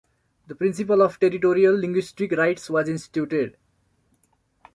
The principle of territorial linguistic rights was instituted.